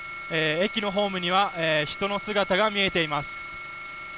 駅のホームには人の姿が見えています。